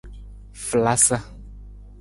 Falasa.